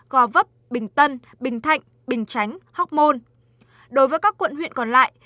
tám một mươi hai gò vấp bình tân bình thạnh bình chánh hóc môn đối với các quận huyện còn lại